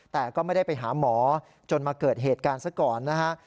แต่ก็ไม่ได้ไปหาหมอจนมาเกิดเหตุการณ์ซะก่อนนะฮะ